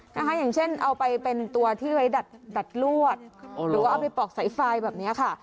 อย่างเช่นเอาไปเป็นตัวที่ไว้ดัดดัดลวดหรือว่าเอาไปปอกสายไฟแบบนี้ค่ะ